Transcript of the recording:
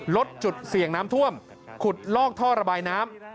ลดจุดเสี่ยงน้ำท่วมขุดลอกท่อระบายน้ำ